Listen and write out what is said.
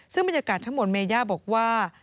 ซึ่งบรรยากาศทั้งหมดเมย่าบอกว่า